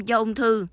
do ung thư